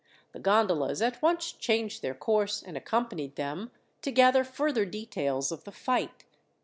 The gondolas at once changed their course, and accompanied them, to gather further details of the fight.